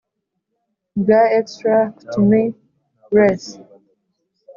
bwa Extra Coutumi res